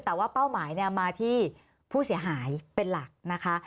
แต่ว่าเป้าหมายมาที่ผู้เสียหายเป็นหลักนะคะ